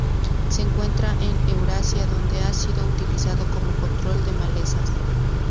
Se encuentra en Eurasia, donde ha sido utilizada como control de malezas.